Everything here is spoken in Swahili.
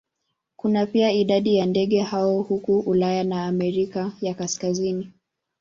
Kuna pia idadi ya ndege hao huko Ulaya na Amerika ya Kaskazini.